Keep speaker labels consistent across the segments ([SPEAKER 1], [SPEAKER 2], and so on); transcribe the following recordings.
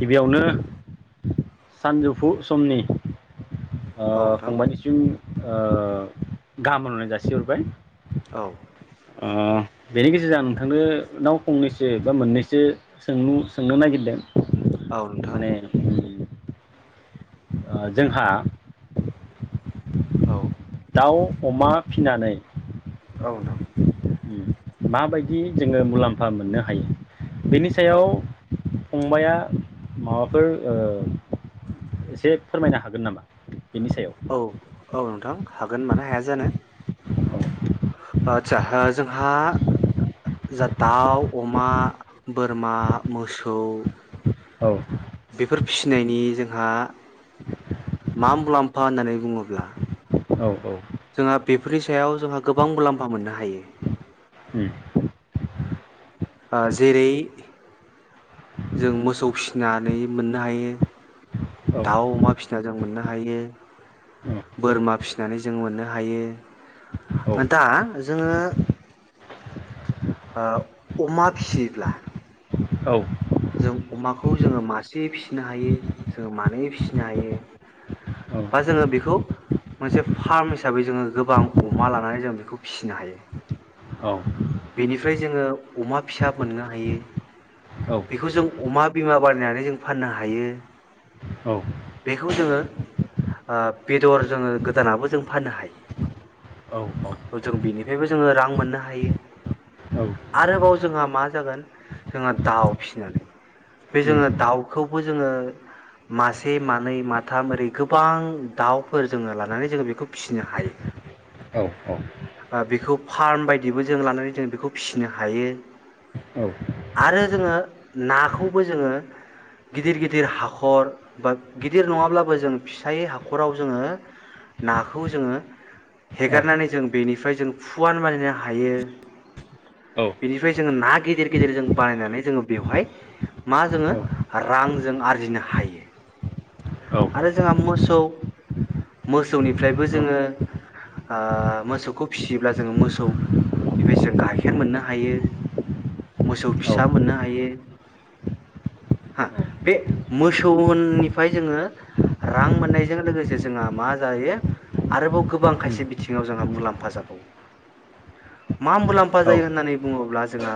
[SPEAKER 1] गिबियावनो सानजौफु समनि ओ
[SPEAKER 2] औ नोंथां
[SPEAKER 1] फंबायनिसिम ओ गाहाम हामलायनाय जासिहरबाय
[SPEAKER 2] औ
[SPEAKER 1] ओ बेनि गेजेरजों आं नोंथांनो नाव फंनैसो बा मोननैसो सोंलु सोंनो नागिरदों
[SPEAKER 2] औ नोंथां
[SPEAKER 1] माने ओ जोंहा
[SPEAKER 2] औ
[SPEAKER 1] दाउ अमा फिनानै।
[SPEAKER 2] औ नोंथां
[SPEAKER 1] माबायदि जोङो मुलाम्फा मोननो हायो? बेनि
[SPEAKER 2] औ
[SPEAKER 1] सायाव फंबाया माबाफोर फोर ओ एसे फोरमायनो हागोन नामा? बेनि सायाव।
[SPEAKER 2] औ औ नोंथां हागोन मानो हाया जानो। आदसा जोंहा दाउ अमा बोरमा मोसौ।
[SPEAKER 1] औ।
[SPEAKER 2] बेफोर फिसिनायनि जोंहा मा मुलाम्फा होननानै बुङोब्ला।
[SPEAKER 1] औ औ।
[SPEAKER 2] जोंहा बेफोरनि सायाव जोंहा गोबां मुलाम्फा मोननो हायो।
[SPEAKER 1] ओम।
[SPEAKER 2] जेरै जों मोसौ फिसिनानै मोननो हायो
[SPEAKER 1] औ
[SPEAKER 2] दाउ अमा फिसिना जों मोननो हायो बोरमा फिसिनानै जों मोननो हायो
[SPEAKER 1] औ
[SPEAKER 2] दा जोङो अमा फिसिब्ला।
[SPEAKER 1] औ।
[SPEAKER 2] जों अमाखौ जोङो मासे फिसिनो हायो जोङो मानै फिसिनो हायो
[SPEAKER 1] औ
[SPEAKER 2] बा जोङो बेखौ मोनसे फार्म हिसाबै जोङो गोबां अमा लानानै जों बेखौ फिसिनो हायो।
[SPEAKER 1] औ।
[SPEAKER 2] बेनिफ्राय जोङो अमा फिसा मोननो हायो
[SPEAKER 1] औ
[SPEAKER 2] बेखौ जों अमा बिमा बानायनानै जों फाननो हायो।
[SPEAKER 1] औ
[SPEAKER 2] बेखौ जोङो बेदर जोङो गोदानाबो जों फाननो
[SPEAKER 1] औ उम औ
[SPEAKER 2] हायो जों बेनिफ्रायबो जोङो रां मोननो हायो
[SPEAKER 1] औ
[SPEAKER 2] आरोबाव जोंहा मा जागोन जोंहा दाउ फिसिनानै बे जोङो दाउखौबो जोङो मासे। से मानै माथाम ओरै गोबां दाउफोर जोङो लानानै जोङो बेखौ फिसिनो हायो
[SPEAKER 1] औ औ
[SPEAKER 2] बेखौ फार्म बायदिबो जों लानानै जों बेखौ फिसिनो हायो
[SPEAKER 1] उम
[SPEAKER 2] आरो जोङो नाखौबो जोङो गिदिर गिदिर हाखर। बा गिदिर नङाब्लाबो जों फिसायै हाखराव जोङो नाखौ जोङो
[SPEAKER 1] औ
[SPEAKER 2] हेगारनानै जों बेनिफ्राय जों फुवान बानायनो हायो
[SPEAKER 1] औ उम औ औ
[SPEAKER 2] बेनिफ्राय जोङो ना गेदेर गेदेर जों बानायनानै जोङो बेवहाय मा जोङो
[SPEAKER 1] औ
[SPEAKER 2] रां जों आरजिनो हायो।
[SPEAKER 1] औ उम
[SPEAKER 2] आरो जोंहा मोसौ मोसौनिफ्रायबो
[SPEAKER 1] उम
[SPEAKER 2] जोङो मोसौखौ फिसियोब्ला जोङो मोसौनिफ्राय जों गाइखेर मोननो हायो मोसौ
[SPEAKER 1] औ उम औ उम औ उम
[SPEAKER 2] फिसा मोननो हायो हा बे मोसौ होन निफ्राय जोङो रां मोननायजों लोगोसे जोंहा मा जायो आरोबाव गोबां खायसे बिथिङाव जोंहा मुलाम्फा जाबावो मा मुलामफा जायो होननानै बुङोब्ला जोंहा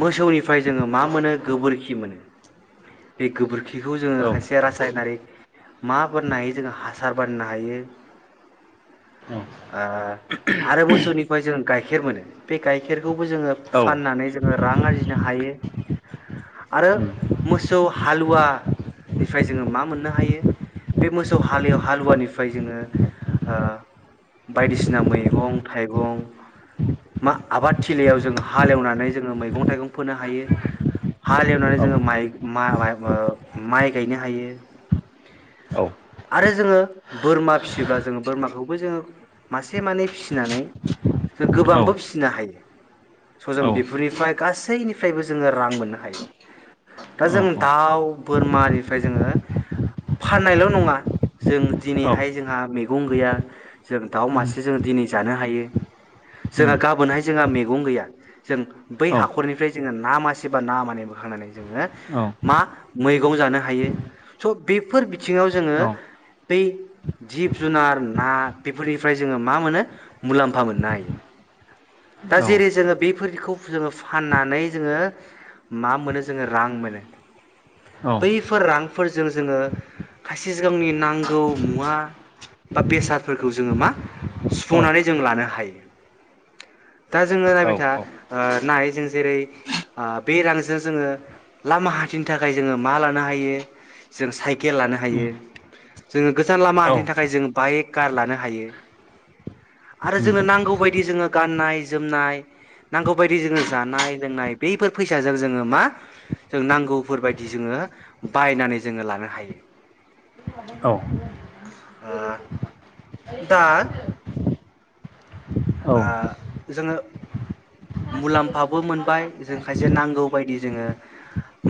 [SPEAKER 2] मोसौनिफ्राय जोङो मा मोनो गोबोरखि मोनो बे गोबोरखि -खौ जोङो खायसे रासायनारि मा बानायनो हायो जोङो हासार आरो मोसौनिफ्राय जोङो गाइखेर मोनो बे गाइखेर खौबो जोङो फाननानै जोङो। रां आरजिनो हायो आरो
[SPEAKER 1] उम
[SPEAKER 2] मोसौ हालुवा निफ्राय जोङो मा मोननो हायो बे मोसौ हालेव हालुवानिफ्राय जोङो बायदिसिना मैगं थाइगं मा आबाद थिलियाव जोङो हालेवनानै जोङो मैगं थाइगं फोनो हायो हालेवनानै जोङो माइ मा [inaudible] माइ गायनो हायो
[SPEAKER 1] औ
[SPEAKER 2] आरो जोङो बोरमा फिसियोब्ला जोङो बोरमाखौबो जोङो मासे मानै फिसिनानै
[SPEAKER 1] हागोन
[SPEAKER 2] गोबांबो फिसिनो हायो स जों
[SPEAKER 1] हागोन
[SPEAKER 2] बेफोरनिफ्राय गासैनिफ्रायबो जोङो रां मोननो हायो दा जों दाउ बोरमानिफ्राय जोङो फाननायल नङा जों दिनैहाय जोंहा मैगं गैया जों दाउ मासे जों दिनै जानो हायो जोंहा गाबोनहाय जोंहा मैगं गैया जों बै हाखरनिफ्राय जोङो ना मासे बा ना मानै बोखांनानै जोङो मा मैगं जानो हायो स बेफोर बिथिङाव जोङो बै जिब जुनार ना बेफोरनिफ्राय जोङो मा मोनो मुलाम्फा मोननो हायो दा जेरै जोङो बेफोरखौ जोङो फाननानै जोङो मा मोनो जोङो रां मोनो। बैफोर रां फोरजों जोङो खायसे जोंनि नांगौ मुवा बा बेसादफोरखौ जोङो मा सुफुंनानै जों लानो हायो। दा जोङो नायबाय था। ओ नाय जों जेरै बे रांजों जोङो लामा हानथि थिनो थाखाय जोङो मा लानो हायो जों साइकेल लानो हायो जोङो गोजान लामा हानथिनो थाखाय जों बाइक कार लानो हायो आरो जोङो नांगौ बादि जोङो गाननाय जोमनाय नांगौ बायदि जोङो जानाय लोंनाय बैफोर फैसाजों जोङो मा जों नांगौ बेफोरबायदि जोङो बायनानै जोङो लानो हायो ओ दा। ओ जोङो मुलाम्फाबो मोनबाय जों खायसे नांगौ बायदि जोङो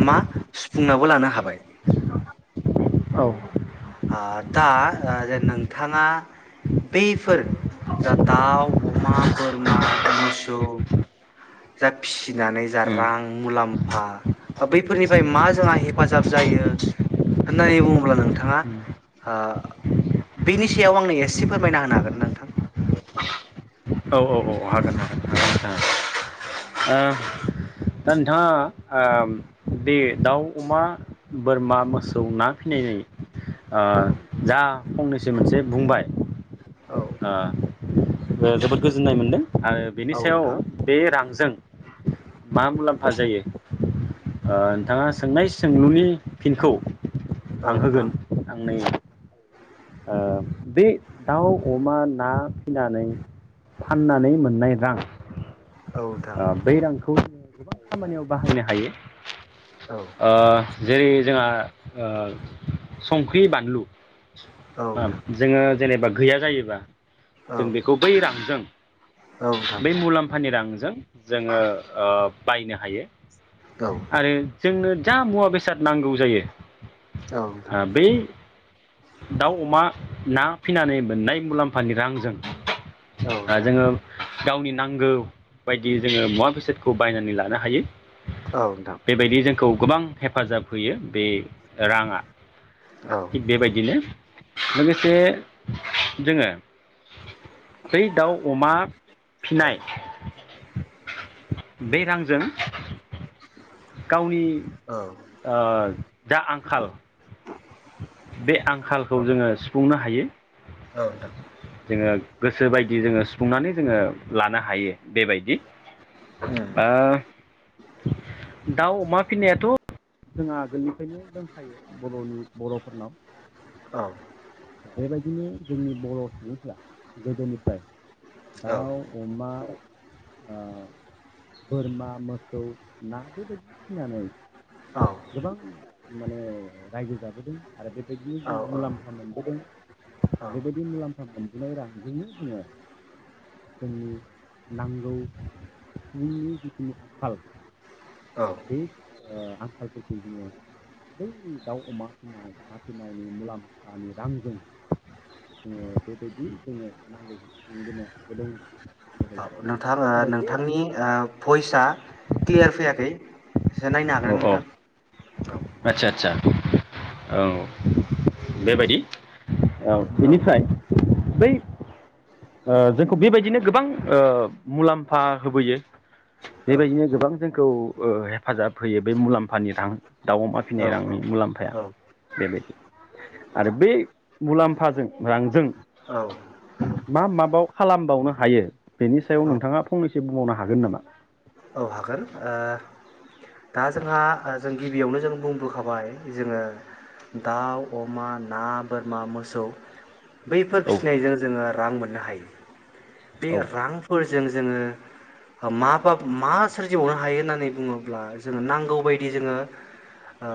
[SPEAKER 2] मा सुफुंनाबो लानो हाबाय। दा जे नोंथाङा बैफोर जा दाउ अमा बोरमा मोसौ जा फिसिनानै जा रां मुलाम्फा बा बैफोरनिफ्राय मा जोंहा हेफाजाब जायो होननानै बुङोब्ला नोंथाङा ओ बेनि सायाव आंनो एसे फोरमायना होनो हागोन ना नोंथां?
[SPEAKER 1] हागोन नोंथां ओ दा नोंथाङा ओ बे दाउ अमा बोरमा मोसौ ना फिनायनि आ
[SPEAKER 2] औ
[SPEAKER 1] जोंङो फंनैसो मोनसे बुंबाय ओ ओ जोबोद गोजोननाय मोन्दों आरो बेनि
[SPEAKER 2] औ
[SPEAKER 1] सायाव
[SPEAKER 2] नोंथां
[SPEAKER 1] बे रां [unintelligible] मा मुलाम्फा जायो ओ नोंथाङा सोंनाय सोंलुनि फिनखौ
[SPEAKER 2] औ
[SPEAKER 1] आं
[SPEAKER 2] नोंथां
[SPEAKER 1] होगोन आं नै बे दाउ अमा ना फिनानै फाननानै मोननाय रां
[SPEAKER 2] औ नोंथां
[SPEAKER 1] ओ बै रांखौ गोबां खामानियाव बाहायनो हायो
[SPEAKER 2] औ
[SPEAKER 1] ओ जेरै जोंहा ओ संख्रि बानलु
[SPEAKER 2] औ [unintelligible]
[SPEAKER 1] जोङो जेनेबा गैया जायोबा
[SPEAKER 2] औ
[SPEAKER 1] जों
[SPEAKER 2] औ
[SPEAKER 1] बेखौ बै रांजों
[SPEAKER 2] नोंथां औ नोंथां
[SPEAKER 1] बै मुलाम्फानि रां [unintelligible] जों जोंङो ओ बायनो हायो
[SPEAKER 2] औ
[SPEAKER 1] आरो जोंनो जा मुवा बेसाद नांगौ जायो
[SPEAKER 2] औ नोंथा
[SPEAKER 1] ओ बै दाउ अमा ना फिनानै मोननाय मुलाम्फानि रांजों आ जोंङो गावनि नांगौ बायदि जोंङो मुवा बेसादखौ बायनानै लानो हायो
[SPEAKER 2] औ [unintelligible]
[SPEAKER 1] खौ गोबां हेफाजाब होयो बे रांङा
[SPEAKER 2] औ
[SPEAKER 1] बेबायदिनो लोगोसे जोंङो बै दाउ अमा फिनाय बे रांजों गावनि
[SPEAKER 2] औ
[SPEAKER 1] ओ दा आंखाल बे आंखालखौ जोंङो सुफुंनो हायो
[SPEAKER 2] औ‌ नोंथां
[SPEAKER 1] जोङ गोसोबायदि जोङो सुफुंनानै जोङो लानो हायो बेबायदि
[SPEAKER 2] उम
[SPEAKER 1] ओ दाउ अमा फिनायाथ' जोंहा आगोलनिफ्रायनो दंखायो बर'नि बर'फोरनाव
[SPEAKER 2] औ
[SPEAKER 1] बेबायदिनो जोंनि बर' सुबुंफ्रा गोदोनिफ्राय दाउ, अमा ओ बोरमा, मोसौ, ना बेबायदि फिसिनानै गोबां माने रायजो जाब गोदिनो आरो बेबायदिनो
[SPEAKER 2] औ
[SPEAKER 1] जों मुलाम्फा मोनबोदों
[SPEAKER 2] औ
[SPEAKER 1] बेबायदि मुलाम्फा मोन नाय रांजोंनो जोङो जोंनि नांगौ सुबुंनि जिखिनि आंखाल
[SPEAKER 2] औ
[SPEAKER 1] बे ओ खालफोरखौ जोङो बै दाउ, अमा फिसिनाय ना फिनायनि मुलाम्फानि रांजों जोङो बेबायदि जोङो नांगौफुंबोनो हाबोदों।
[SPEAKER 2] औ
[SPEAKER 1] बेबायदि
[SPEAKER 2] नोंथां ओ
[SPEAKER 1] आरो बे
[SPEAKER 2] नोंथांनि
[SPEAKER 1] औ
[SPEAKER 2] भइसआ क्लियार फैयाखै एसे नायनो हागोन
[SPEAKER 1] औ
[SPEAKER 2] नोंथां औ
[SPEAKER 1] आदसा आदसा औ बेबायदि औ बेनिफ्राय बै ओ जोंखौ बेबायदिनो गोबां मुलाम्फा होबोयो।
[SPEAKER 2] औ
[SPEAKER 1] बेबायदिनो गोबां जोंखौ ओ हेफाजाब होयो बे मुलाम्फानि रां दाउ अमा फिसिनाय रांनि मुलाम्फाया बेबायदि आरो बे मुलाम्फाजों रांजों
[SPEAKER 2] औ
[SPEAKER 1] मा माबायाव खालामबावनो हायो बेनि सायाव
[SPEAKER 2] औ
[SPEAKER 1] नोंथाङा फंनैसो बुंबावना हागोन नामा?
[SPEAKER 2] औ हागोन ओ दा जोंहा जों गिबियावनो जों बुंबोखाबाय जोङो दाउ, अमा, ना, बोरमा मोसौ बैफोर
[SPEAKER 1] औ
[SPEAKER 2] फिसिनायजों जोङो रां मोन नो हायो। बे
[SPEAKER 1] औ
[SPEAKER 2] रांफोर जों जोङो माबा मा सोरजिबावनो हायो होननानै बुङोब्ला जोङो नांगौबायदि जोङो ओ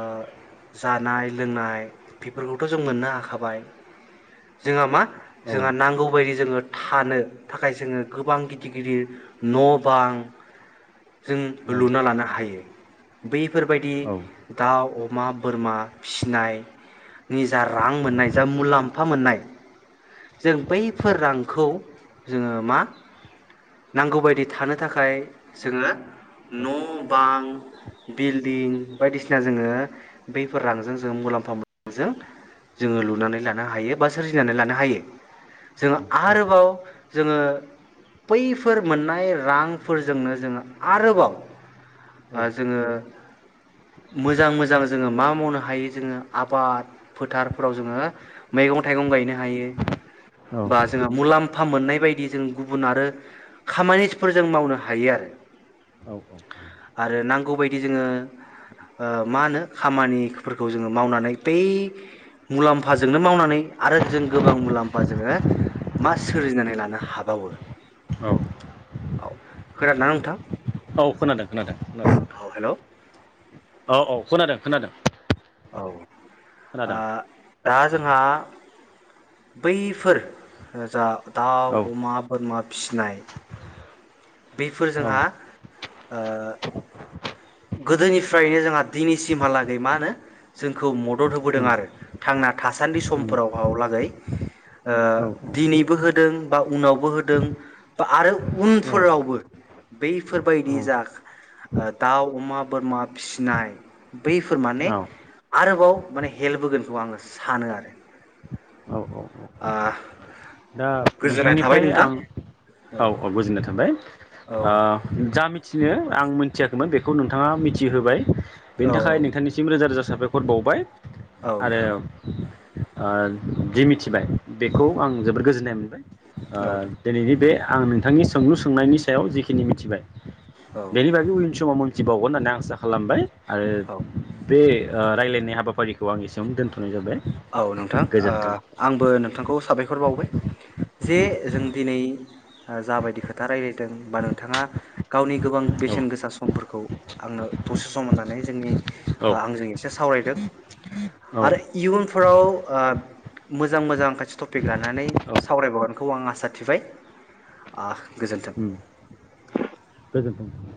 [SPEAKER 2] जानाय लोंनाय बेफोरखौथ' जों मोननो हाखाबाय जोंहा मा
[SPEAKER 1] औ
[SPEAKER 2] जोंहा नांगौबायदि जोङो थानो थाखाय जोङो गोबां गिदिर गिदिर न' बां जों लुना लानो हायो। बे फोरबायदि
[SPEAKER 1] औ
[SPEAKER 2] दाउ अ अमा बोरमा फिनायनि जा रां मोननाय जा मुलाम्फा मोननाय जों बैफोर रांखौ जोङो मा नांगौ बायदि थानो थाखाय जोङो न' बां बिल्डिं बायदिसिना जोङो बैफोर रांजों जों मुलाम्फा मोननायजों जोङो लुनानै लानो हायो बा सोरजिनानै लानो हायो। जोङो आरोबाव जोङो बैफोर मोननाय रांफोरजोंनो जोङो आरोबाव जोङो मोजां मोजां जोङो मा मावनो हायो जोङो आबाद फोथारफोराव जोङो मैगं थाइगं गायनो हायो बा जोंङो मुलाम्फ म्फा मोननाय बायदि जों गुबुन आरो खामानिफोर जों मावनो हायो आरो।
[SPEAKER 1] औ औ औ।
[SPEAKER 2] दि जोङो ओ मा होनो खामानिफोरखौ जोङो मावनानै बै मुलाम्फाजोंनो मावनानै आरो जों गोबां मुलाम्फा जोङो मा सोरजिनानै लानो हाबावो।
[SPEAKER 1] औ
[SPEAKER 2] औ खोनादोंना नोंथां
[SPEAKER 1] औ खोनादों खोनादों खोनादों
[SPEAKER 2] औ हेल'
[SPEAKER 1] औ औ। खोनादों खोनादों।
[SPEAKER 2] औ ओ
[SPEAKER 1] खोनादों
[SPEAKER 2] दा जोंहा बैफोर जा
[SPEAKER 1] औ
[SPEAKER 2] दाव अमा बोरमा फिसिनाय बैफोर
[SPEAKER 1] औ
[SPEAKER 2] जोंहा गोदोनिफ्रायनो जोंहा दिनैसिमहालागै मा होनो जोंखौ मदद होबोदों
[SPEAKER 1] उम
[SPEAKER 2] आरो थांना थासान्दि
[SPEAKER 1] उम
[SPEAKER 2] समफोरावहालागै ओ
[SPEAKER 1] औ
[SPEAKER 2] दिनैबो होदों- बा उनावबो होदों बा आरो उनफोरावबो
[SPEAKER 1] औ
[SPEAKER 2] बैफोरबायदि जा ओ- अमा बोरमा फिसिनाय बैफोर माने
[SPEAKER 1] औ
[SPEAKER 2] आरोबाव माने हेल्प होगोनखौ आंङो सानो आरो
[SPEAKER 1] औ औ औ
[SPEAKER 2] ओ
[SPEAKER 1] दा
[SPEAKER 2] गोजोननाय थाबाय
[SPEAKER 1] नोंथांनिफ्राय
[SPEAKER 2] नोंथां
[SPEAKER 1] आं औ औ गोजोननाय थाबाय।
[SPEAKER 2] औ
[SPEAKER 1] आ जामि मिथिनो आं मिथियाखैमोन बेखौ नोंथाङा मिथिहोबाय।
[SPEAKER 2] औ
[SPEAKER 1] बेनि थाखाय नोंथांनिसिम रोजा रोजा साबायखर बावबाय
[SPEAKER 2] औ
[SPEAKER 1] आरो
[SPEAKER 2] नोंथां
[SPEAKER 1] ओम ओ जि मिथिबाय बेखौ आं जोबोद गोजोननाय मोनबाय । ओ दिनैनि बे आं नोंथांनि सोंलु सोंनायनि सायाव जिखिनि मिथिबाय
[SPEAKER 2] औ
[SPEAKER 1] बेनि बागै उननि समाव मिथिबावगोन होननानै आं आसा खालामबाय। आरो
[SPEAKER 2] औ
[SPEAKER 1] बे ओ रायलायनाय हाबाफारिखौ आं ऐसेआवनो दोनथनाय जाबाय।
[SPEAKER 2] औ नोंथां ओ
[SPEAKER 1] गोजोन्थों।
[SPEAKER 2] आंबो नोंथांखौ साबायखर बावबाय। जे जों दिनै जाबायदि खोथा राय्लायदों बा नोंथाङा गावनि गोबां बेसेन गोसा समफोरखौ आंनो दसे सम होननानै जोंनि
[SPEAKER 1] औ
[SPEAKER 2] ओ आंजों एसे सावराय
[SPEAKER 1] औ
[SPEAKER 2] [unintelligible] आरो इयुनफो उनफोराव मोजां मोजां खाय टपिक लानानै
[SPEAKER 1] औ
[SPEAKER 2] सावरायबावगोनखौ आं आसा साथिबाय ओ
[SPEAKER 1] ओम गोजोनथों!